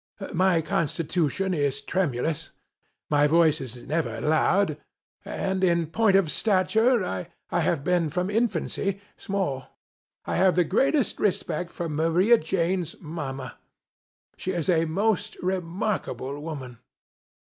My constitution is tremulous, my voice was never loud, and, in point of stature, I have been from infancy, small. I have the greatest respect for Maria Jane's Mama. She is a most remarkable woman.